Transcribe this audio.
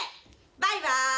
バイバーイ！